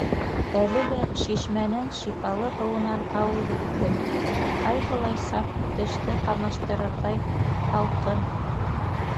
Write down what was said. Әле лә шишмәнең шифалы һыуынан ауыҙ иттем: ҡайһылай саф, теште ҡамаштырырҙай һалҡын!